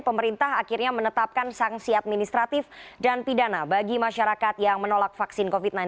pemerintah akhirnya menetapkan sanksi administratif dan pidana bagi masyarakat yang menolak vaksin covid sembilan belas